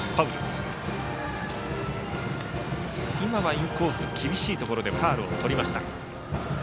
インコースの厳しいところでファウルをとりました。